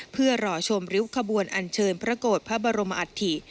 เพื่อรอชมริ้วขบวนอันเชิญพระโกรธพระบรมอัฐิ